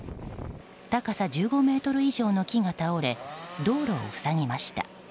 高さ１５ｍ以上の木が倒れ道路を塞ぎました。